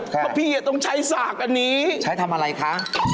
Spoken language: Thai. ปั่นส้มตำ